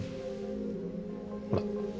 ほら。